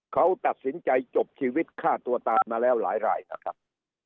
เขาตัดสินใจจบชีวิตฆ่าตัวตายมาแล้วหลายรายนะครับ